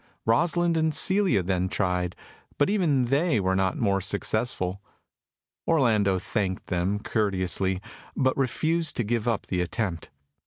Rosalind and Celia then tried, but even they were not more successful. Orlando thanked them courteously, but refused to give up the attempt.